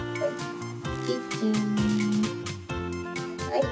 はい。